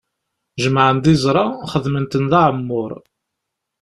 Jemɛen-d iẓra, xedmen-ten d aɛemmuṛ.